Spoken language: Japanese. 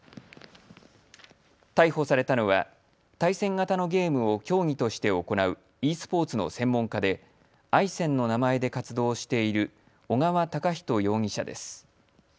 逮捕されたのは対戦型のゲームを競技として行うｅスポーツの専門家でｉＳｅＮＮの名前で活動している小川敬士容疑者です。